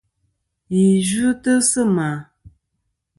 Ghi yvɨtɨ sɨ ma.